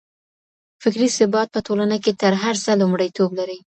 فکري ثبات په ټولنه کي تر هر څه لومړيتوب لري.